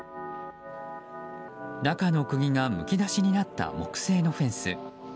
中の釘がむき出しになった木製のフェンス。